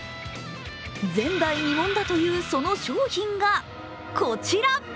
前代未聞だという、その商品がこちら。